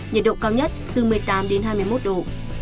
nhiệt độ cao nhất từ một mươi tám đến hai mươi một độ